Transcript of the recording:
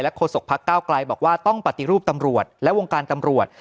โศกพักเก้าไกลบอกว่าต้องปฏิรูปตำรวจและวงการตำรวจ